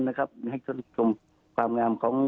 ทำให้ทุกคนคุมความงามของ